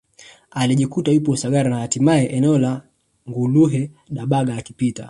alijikuta yupo Usagara na hatimaye eneo la Nguluhe Dabaga akipitia